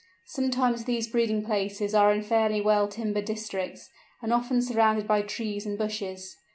Sometimes these breeding places are in fairly well timbered districts, and often surrounded by trees and bushes.